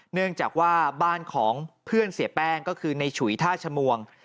เนื่องจากว่าบ้านของเพื่อนเสียแป้งก็คือในฉุยท่าชมวง